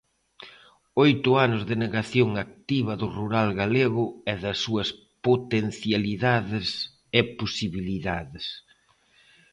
Oito anos de negación activa do rural galego e das súas potencialidades e posibilidades.